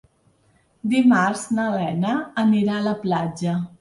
Dimarts na Lena anirà a la platja.